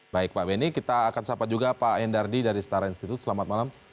baik pak benny kita akan sapa juga pak endardi dari setara institute selamat malam